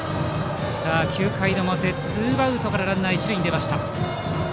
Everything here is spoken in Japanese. ９回の表、ツーアウトからランナー、一塁に出ました。